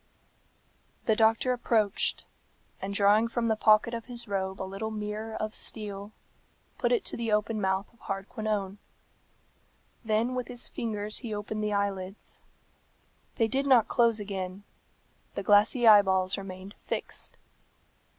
The doctor approached, and drawing from the pocket of his robe a little mirror of steel, put it to the open mouth of Hardquanonne. Then with his fingers he opened the eyelids. They did not close again; the glassy eyeballs remained fixed.